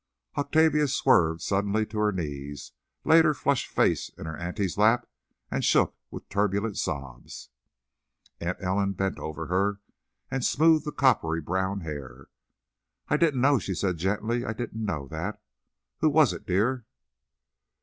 Octavia swerved suddenly to her knees, laid her flushed face in her aunt's lap, and shook with turbulent sobs. Aunt Ellen bent over her, and smoothed the coppery brown hair. "I didn't know," she said, gently; "I didn't know—that. Who was it, dear?"